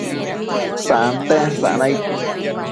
santen sanaid